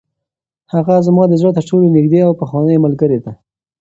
هغه زما د زړه تر ټولو نږدې او پخوانۍ ملګرې ده.